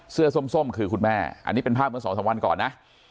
ส้มคือคุณแม่อันนี้เป็นภาพเมื่อสองสามวันก่อนนะ